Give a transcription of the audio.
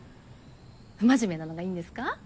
不真面目なのがいいんですか？